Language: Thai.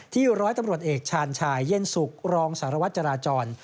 ร้อยตำรวจเอกชาญชายเย็นสุขรองสารวัตรจราจร